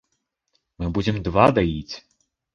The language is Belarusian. Мы будзем два даіць!